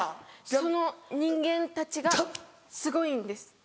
その人間たちがすごいんです。